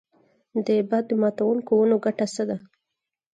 د باد ماتوونکو ونو ګټه څه ده؟